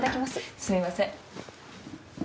すみません。